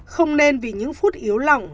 không nên vì những phút yếu lòng